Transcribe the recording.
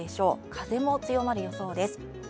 風も強まる予想です。